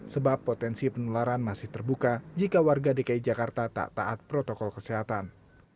sebab potensi penularan masih terbuka jika warga dki jakarta tak taat protokol kesehatan